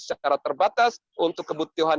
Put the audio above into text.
secara terbatas untuk kebutuhan